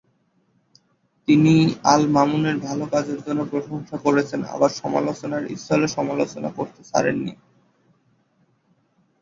তিনি আল মামুনের ভালো কাজের জন্য প্রশংসা করেছেন আবার সমালোচনার স্থলে সমালোচনা করতে ছাড়েন নি।